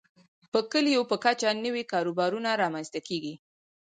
د کليو په کچه نوي کاروبارونه رامنځته کیږي.